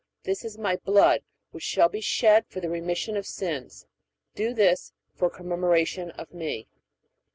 This is My blood which shall be shed for the remission of sins. Do this for a commemoration of Me.